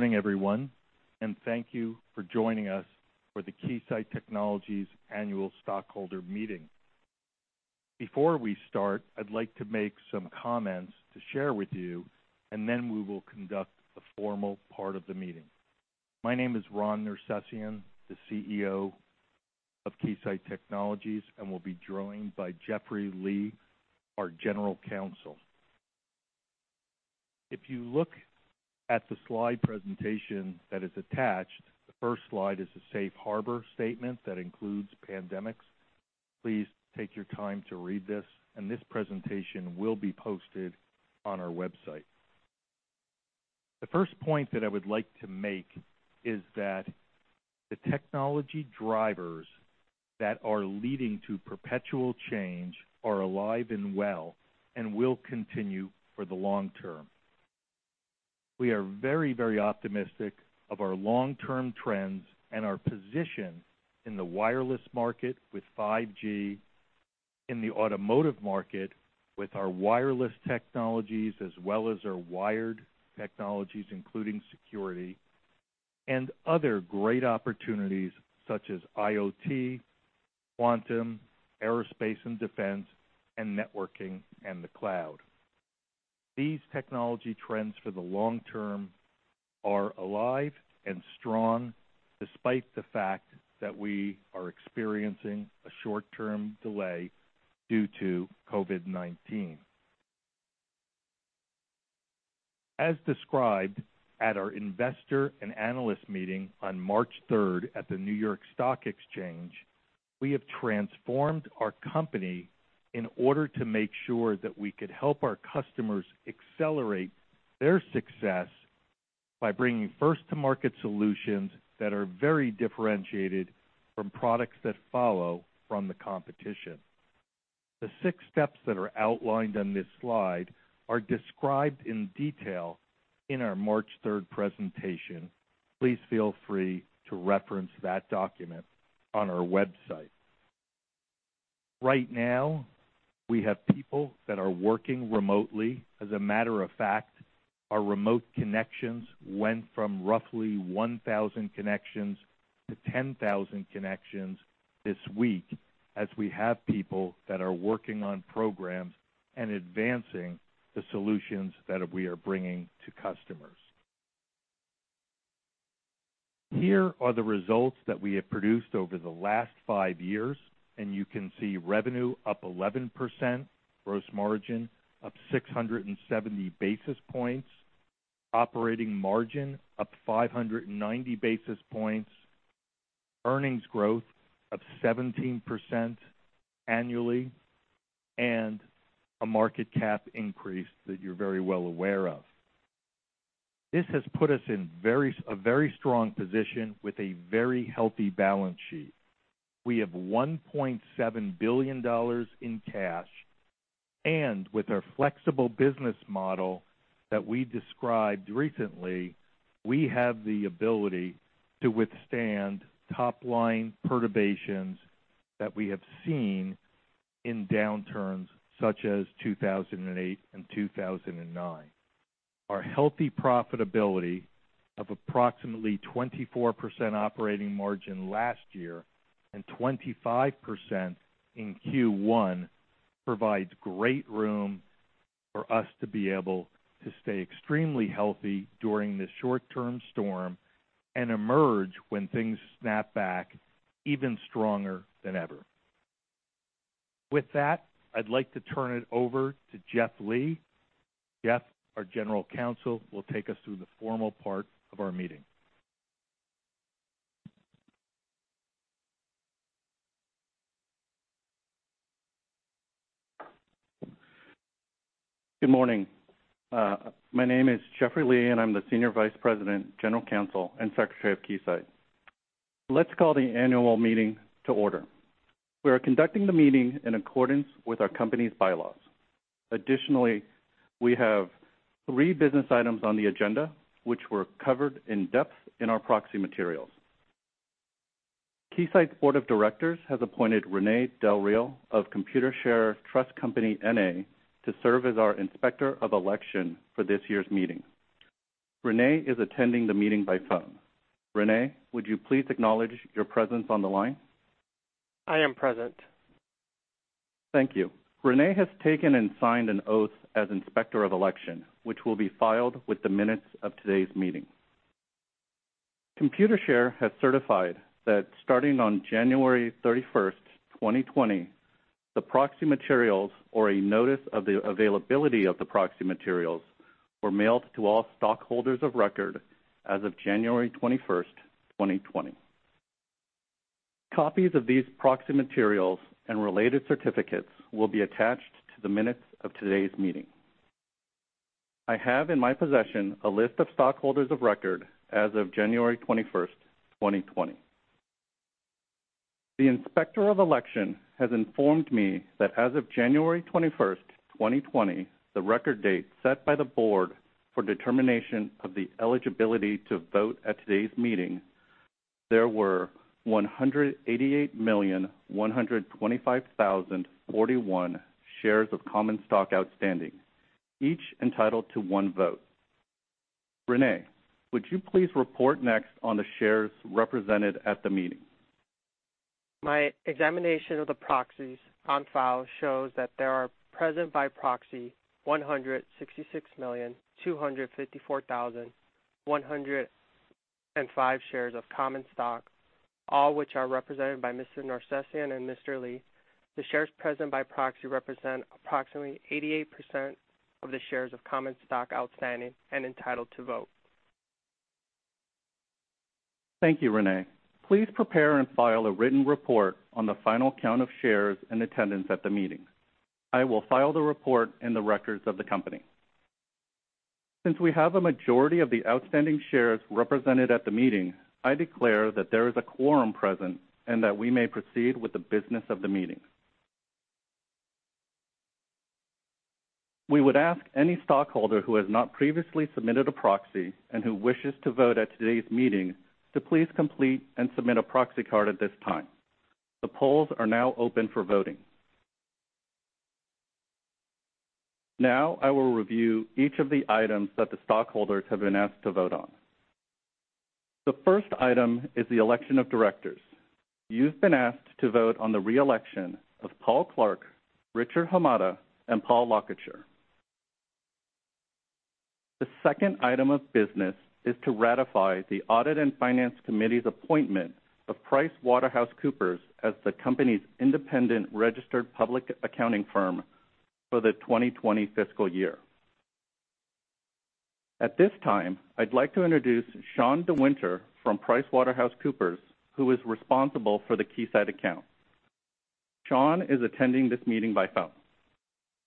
Morning, everyone, thank you for joining us for the Keysight Technologies annual stockholder meeting. Before we start, I'd like to make some comments to share with you, then we will conduct the formal part of the meeting. My name is Ron Nersesian, the CEO of Keysight Technologies, will be joined by Jeffrey Li, our general counsel. If you look at the slide presentation that is attached, the first slide is a safe harbor statement that includes pandemics. Please take your time to read this. The presentation will be posted on our website. The first point that I would like to make is that the technology drivers that are leading to perpetual change are alive and well, will continue for the long term. We are very, very optimistic of our long-term trends and our position in the wireless market with 5G, in the automotive market with our wireless technologies as well as our wired technologies, including security, and other great opportunities such as IoT, quantum, aerospace and defense, and networking and the cloud. These technology trends for the long term are alive and strong, despite the fact that we are experiencing a short-term delay due to COVID-19. As described at our investor and analyst meeting on March 3rd at the New York Stock Exchange, we have transformed our company in order to make sure that we could help our customers accelerate their success by bringing first to market solutions that are very differentiated from products that follow from the competition. The six steps that are outlined on this slide are described in detail in our March 3rd presentation. Please feel free to reference that document on our website. Right now, we have people that are working remotely. As a matter of fact, our remote connections went from roughly 1,000 connections to 10,000 connections this week, as we have people that are working on programs and advancing the solutions that we are bringing to customers. Here are the results that we have produced over the last 5 years, and you can see revenue up 11%, gross margin up 670 basis points, operating margin up 590 basis points, earnings growth of 17% annually, and a market cap increase that you're very well aware of. This has put us in a very strong position with a very healthy balance sheet. We have $1.7 billion in cash. With our flexible business model that we described recently, we have the ability to withstand top-line perturbations that we have seen in downturns such as 2008 and 2009. Our healthy profitability of approximately 24% operating margin last year and 25% in Q1 provides great room for us to be able to stay extremely healthy during this short-term storm and emerge when things snap back even stronger than ever. With that, I'd like to turn it over to Jeff Li. Jeff, our General Counsel, will take us through the formal part of our meeting. Good morning. My name is Jeffrey Li, and I'm the Senior Vice President, General Counsel, and Secretary of Keysight. Let's call the annual meeting to order. We are conducting the meeting in accordance with our company's bylaws. Additionally, we have three business items on the agenda, which were covered in depth in our proxy materials. Keysight's board of directors has appointed Rene Del Real of Computershare Trust Company N.A. to serve as our inspector of election for this year's meeting. Rene is attending the meeting by phone. Rene, would you please acknowledge your presence on the line? I am present. Thank you. Rene has taken and signed an oath as inspector of election, which will be filed with the minutes of today's meeting. Computershare has certified that starting on January 31st, 2020, the proxy materials or a notice of the availability of the proxy materials were mailed to all stockholders of record as of January 21st, 2020. Copies of these proxy materials and related certificates will be attached to the minutes of today's meeting. I have in my possession a list of stockholders of record as of January 21st, 2020. The inspector of election has informed me that as of January 21st, 2020, the record date set by the board for determination of the eligibility to vote at today's meeting. There were 188,125,041 shares of common stock outstanding, each entitled to one vote. Rene, would you please report next on the shares represented at the meeting? My examination of the proxies on file shows that there are present by proxy 166,254,105 shares of common stock, all which are represented by Mr. Nersesian and Mr. Li. The shares present by proxy represent approximately 88% of the shares of common stock outstanding and entitled to vote. Thank you, Rene. Please prepare and file a written report on the final count of shares in attendance at the meeting. I will file the report in the records of the company. Since we have a majority of the outstanding shares represented at the meeting, I declare that there is a quorum present and that we may proceed with the business of the meeting. We would ask any stockholder who has not previously submitted a proxy and who wishes to vote at today's meeting to please complete and submit a proxy card at this time. The polls are now open for voting. I will review each of the items that the stockholders have been asked to vote on. The first item is the election of directors. You've been asked to vote on the re-election of Paul Clark, Richard Hamada, and Paul Lacouture. The second item of business is to ratify the Audit and Finance Committee's appointment of PricewaterhouseCoopers as the company's independent registered public accounting firm for the 2020 fiscal year. At this time, I'd like to introduce Sean DeWinter from PricewaterhouseCoopers, who is responsible for the Keysight account. Sean is attending this meeting by phone.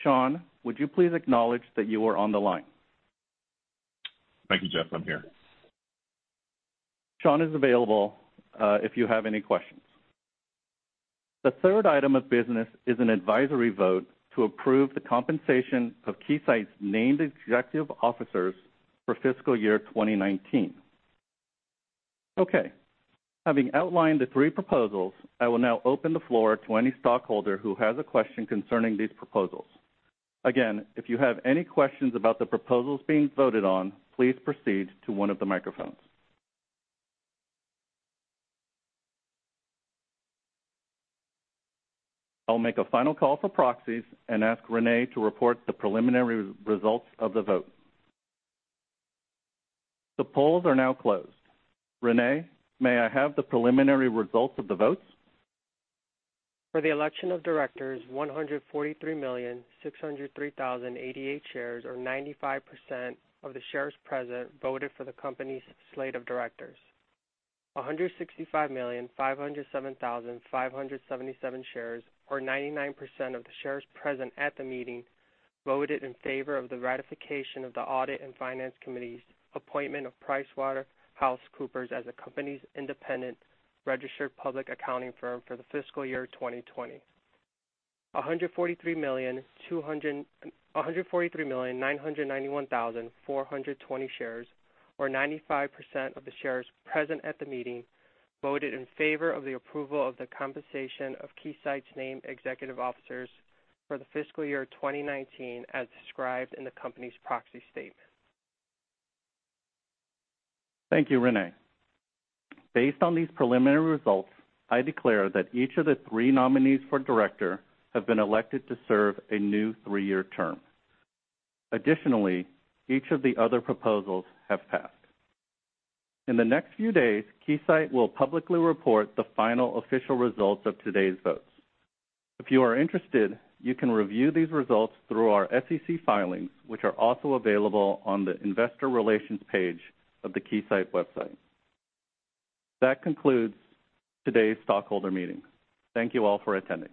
Sean, would you please acknowledge that you are on the line? Thank you, Jeff. I'm here. Sean is available if you have any questions. The third item of business is an advisory vote to approve the compensation of Keysight's named executive officers for fiscal year 2019. Having outlined the three proposals, I will now open the floor to any stockholder who has a question concerning these proposals. Again, if you have any questions about the proposals being voted on, please proceed to one of the microphones. I'll make a final call for proxies and ask Rene to report the preliminary results of the vote. The polls are now closed. Rene, may I have the preliminary results of the votes? For the election of directors, 143,603,088 shares, or 95% of the shares present, voted for the company's slate of directors. 165,507,577 shares, or 99% of the shares present at the meeting, voted in favor of the ratification of the Audit and Finance Committee's appointment of PricewaterhouseCoopers as the company's independent registered public accounting firm for the fiscal year 2020. 143,991,420 shares, or 95% of the shares present at the meeting, voted in favor of the approval of the compensation of Keysight's named executive officers for the fiscal year 2019 as described in the company's proxy statement. Thank you, Rene. Based on these preliminary results, I declare that each of the three nominees for director have been elected to serve a new three-year term. Additionally, each of the other proposals have passed. In the next few days, Keysight will publicly report the final official results of today's votes. If you are interested, you can review these results through our SEC filings, which are also available on the investor relations page of the Keysight website. That concludes today's stockholder meeting. Thank you all for attending.